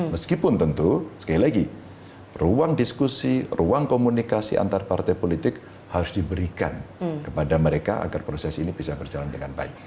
meskipun tentu sekali lagi ruang diskusi ruang komunikasi antar partai politik harus diberikan kepada mereka agar proses ini bisa berjalan dengan baik